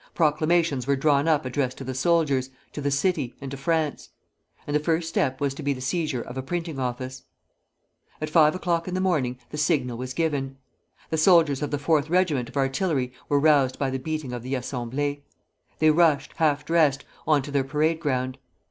Proclamations were drawn up addressed to the soldiers, to the city, and to France; and the first step was to be the seizure of a printing office. At five o'clock in the morning the signal was given. The soldiers of the fourth regiment of artillery were roused by the beating of the assemblée. They rushed, half dressed, on to their parade ground.